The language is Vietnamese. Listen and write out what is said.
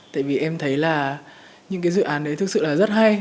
tại vì em thấy là những cái dự án đấy thực sự là rất hay